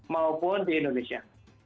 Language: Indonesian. maupun di indonesia